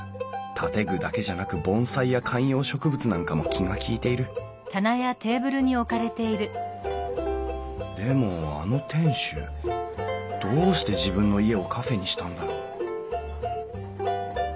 建具だけじゃなく盆栽や観葉植物なんかも気が利いているでもあの店主どうして自分の家をカフェにしたんだろう